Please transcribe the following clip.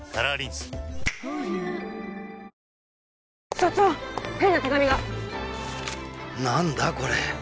所長変な手紙が何だこれ？